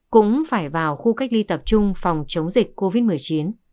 cũng phải vào khu cách ly tập trung phòng chống dịch covid một mươi chín